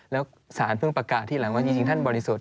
แล้วสารเพิ่งประกาศที่หลังว่าจริงท่านบริสุทธิ์